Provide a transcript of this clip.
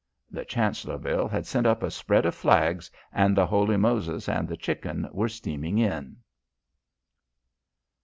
The Chancellorville had sent up a spread of flags, and the Holy Moses and the Chicken were steaming in.